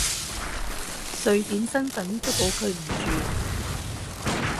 瑞典身份都保佢唔住！